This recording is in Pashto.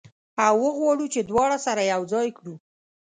او وغواړو چې دواړه سره یو ځای کړو.